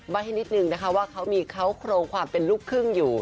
ให้นิดนึงนะคะว่าเขามีเขาโครงความเป็นลูกครึ่งอยู่